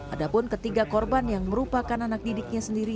ada pun ketiga korban yang merupakan anak didiknya sendiri